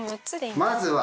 まずは。